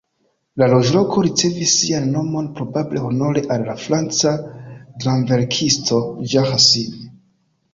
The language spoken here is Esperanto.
La loĝloko ricevis sian nomon probable honore al la franca dramverkisto Jean Racine.